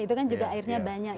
itu kan juga airnya banyak